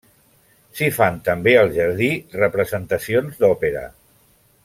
S'hi fan també al jardí representacions d'òpera.